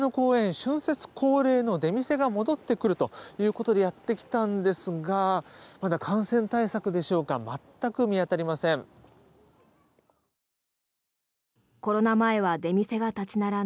春節恒例の出店が戻ってくるということでやってきたんですがまだ感染対策でしょうか全く見当たりません。